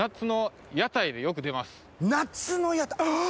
夏の屋台あっ！